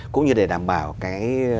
cũng như để đảm bảo cái